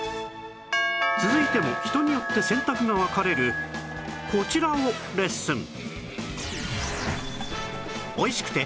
続いても人によって選択が分かれるこちらをレッスン